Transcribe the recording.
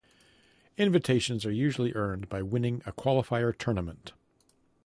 Invitations are usually earned by winning a qualifier tournament.